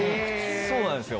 そうなんですよ。